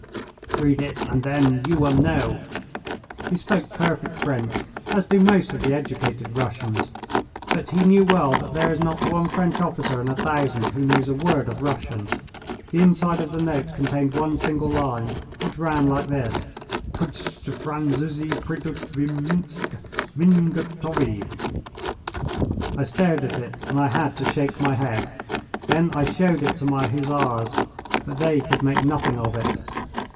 "Read it and then you will know." He spoke perfect French, as do most of the educated Russians. But he knew well that there is not one French officer in a thousand who knows a word of Russian. The inside of the note contained one single line, which ran like this: "Pustj Franzuzy pridutt v Minsk. Min gotovy." I stared at it, and I had to shake my head. Then I showed it to my Hussars, but they could make nothing of it.